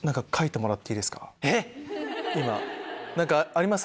えっ⁉何かあります？